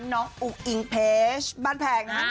น้องอุ๊งอิงเพชบรรแผงค่ะ